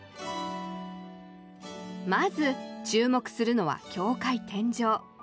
まず注目するのは教会天井。